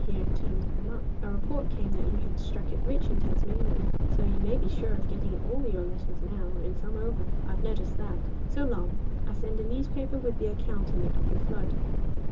here turned them up. A report came that you had struck it rich in Tasmania, so you may be sure of getting all your letters now and some over. I've noticed that. So long. I send a newspaper with the account in it of the flood.